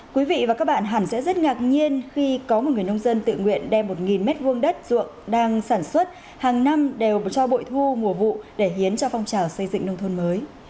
quý vị và các bạn hẳn sẽ rất ngạc nhiên khi có một người nông dân tự nguyện đem một m hai đất ruộng đang sản xuất hàng năm đều cho bội thu mùa vụ để hiến cho phong trào xây dựng nông thôn mới